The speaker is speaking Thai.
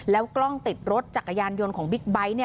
กล้องติดรถจักรยานยนต์ของบิ๊กไบท์